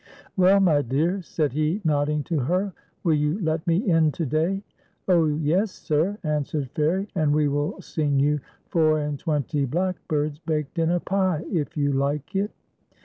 " Well, my dear," said he, nodding to her, " will you let me in to day ?"" Oh yes, sir," answered Fairie ;" and we will sing you ' Four and twenty blackbirds baked in a pie,' if you like it."